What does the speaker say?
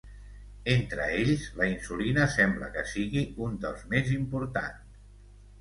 Entre ells, la insulina sembla que sigui un dels més importants.